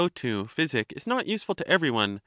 too. physic is not useful to even one.